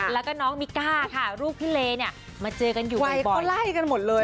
แล้วก็น้องมิก้าค่ะลูกพี่เลเนี่ยมาเจอกันอยู่ไฟก็ไล่กันหมดเลย